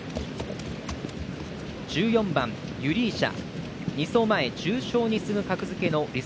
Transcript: １４番ユリーシャ。